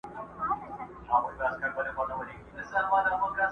مصیبت دي پر وېښتانو راوستلی؟!!